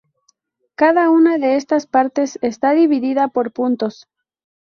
Cada una de estas partes está dividida por puntos.